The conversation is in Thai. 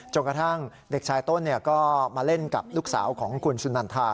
กระทั่งเด็กชายต้นก็มาเล่นกับลูกสาวของคุณสุนันทา